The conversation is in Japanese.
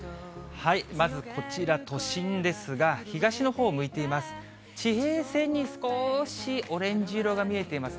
まずこちら、都心ですが、東のほうを向いています。